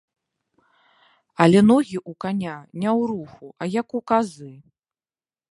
Але ногі ў каня не ў руху, а як у казы.